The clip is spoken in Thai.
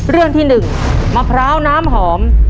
เรื่องที่๑มะพร้าวน้ำหอม